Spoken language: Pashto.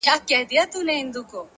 وخت د ژمنتیا اندازه ښکاره کوي،